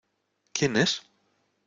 ¿ quién es?